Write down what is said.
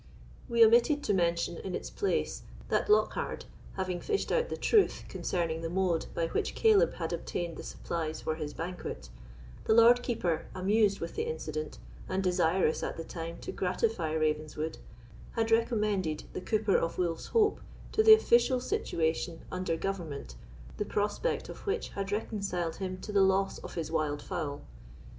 We omitted to mention in its place, that Lockhard having fished out the truth concerning the mode by which Caleb had obtained the supplies for his banquet, the Lord Keeper, amused with the incident, and desirous at the time to gratify Ravenswood, had recommended the cooper of Wolf's Hope to the official situation under government the prospect of which had reconciled him to the loss of his wild fowl.